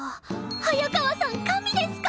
早川さん神ですか！？